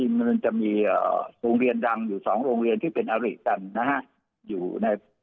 เพราะมันมันมีโรงเรียนดังอยู่สองโรงเรียนที่เป็นอริจันทร์นะฮะ